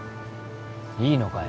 いいのかよ